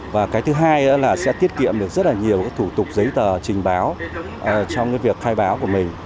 và cái thứ hai là sẽ tiết kiệm được rất là nhiều cái thủ tục giấy tờ trình báo trong cái việc khai báo của mình